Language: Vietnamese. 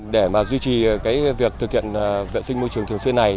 để mà duy trì cái việc thực hiện vệ sinh môi trường thường xuyên này